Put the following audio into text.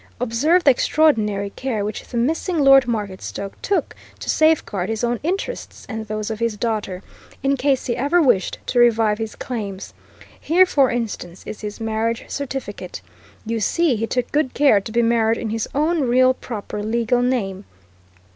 Observe the extraordinary care which the missing Lord Marketstoke took to safeguard his own interests and those of his daughter, in case he ever wished to revive his claims. Here, for instance is his marriage certificate. You see, he took good care to be married in his own real, proper, legal name!